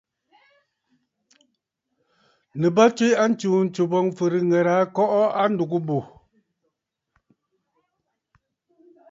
Nɨ bə tswe a ntsǔǹtsù boŋ fɨ̀rɨ̂ŋə̀rə̀ àa kɔʼɔ a ndùgə bù.